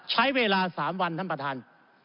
ใช้เวลา๓วันท่านประธาน